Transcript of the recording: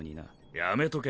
やめとけ